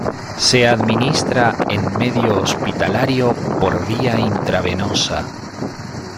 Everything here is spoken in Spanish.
Se administra en medio hospitalario por vía intravenosa.